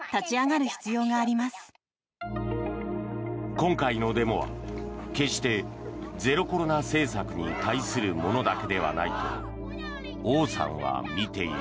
今回のデモは決してゼロコロナ政策に対するものだけではないとオウさんは見ている。